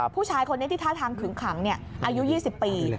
ผู้ชายคนนี้ที่ท่าทางขึงขังอายุ๒๐ปี